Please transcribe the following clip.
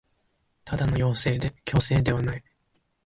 ただの要請で強制ではない